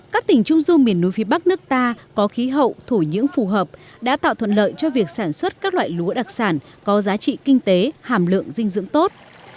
các tỉnh trung du miền núi phía bắc nước ta có khí hậu thổ nhưỡng phù hợp đã tạo thuận lợi cho việc sản xuất các loại lúa đặc sản có giá trị kinh tế hàm lượng dinh dưỡng tốt